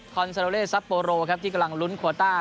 อนซาโลเลซัปโปโรครับที่กำลังลุ้นโควต้า